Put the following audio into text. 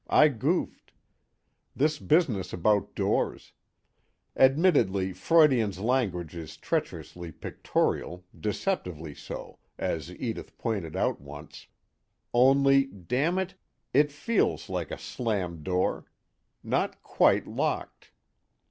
I goofed.... This business about doors: admittedly Freudian slanguage is treacherously pictorial, deceptively so, as Edith pointed out once, only, damn it, it FEELS like a slammed door. Not quite locked.